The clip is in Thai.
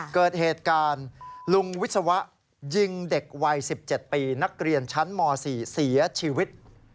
เกิดเหตุการณ์ลุงวิศวะยิงเด็กวัย๑๗ปีนักเรียนชั้นม๔เสียชีวิต